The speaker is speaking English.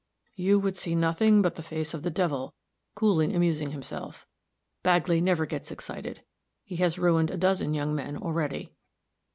"You would see nothing but the face of the devil coolly amusing himself. Bagley never gets excited. He has ruined a dozen young men already."